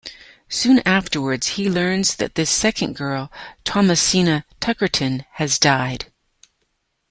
Soon afterwards he learns that this second girl, Thomasina Tuckerton, has died.